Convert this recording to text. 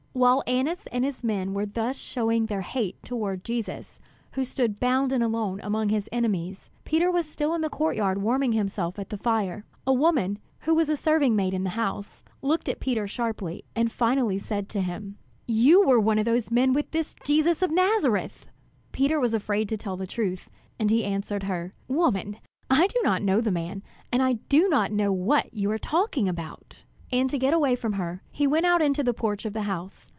While Annas and his men were thus showing their hate toward Jesus, who stood bound and alone among his enemies, Peter was still in the court yard warming himself at the fire. A woman, who was a serving maid in the house, looked at Peter sharply, and finally said to him: "You were one of those men with this Jesus of Nazareth!" Peter was afraid to tell the truth, and he answered her: "Woman, I do not know the man; and I do not know what you are talking about." And to get away from her, he went out into the porch of the house.